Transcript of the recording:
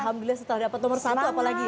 alhamdulillah setelah dapat nomor satu apalagi